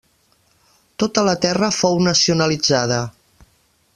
Tota la terra fou nacionalitzada.